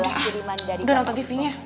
udah ah udah nonton tvnya